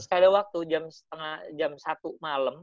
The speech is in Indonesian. sekali waktu jam satu malem